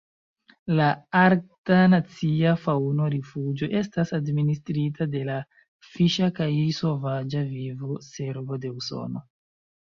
La Arkta Nacia Faŭno-Rifuĝo estas administrita de la Fiŝa kaj Sovaĝa Vivo-Servo de Usono.